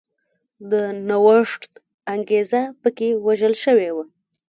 د نوښت انګېزه په کې وژل شوې وه.